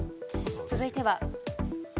続いては。